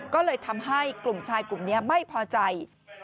ก็เลยทำให้กลุ่มชายกลุ่มนี้ไม่พอใจ